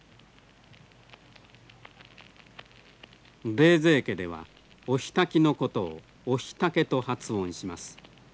冷泉家ではお火たきのことをお火たけと発音します。